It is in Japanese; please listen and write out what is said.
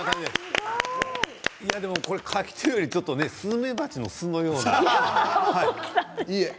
これ、柿というよりもスズメバチの巣のような。